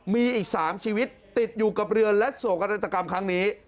มีอีก๓ชีวิตติดอยู่กับเรือและโศกนาฏกรรมครั้งนี้